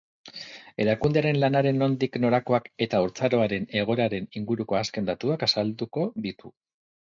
Erakundearen lanaren nondik norakoak eta haurtzaroaren egoeraren inguruko azken datuak azalduko ditu.